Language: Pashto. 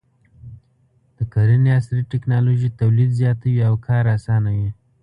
د کرنې عصري ټکنالوژي تولید زیاتوي او کار اسانوي.